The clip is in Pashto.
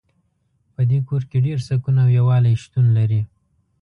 په دې کور کې ډېر سکون او یووالۍ شتون لری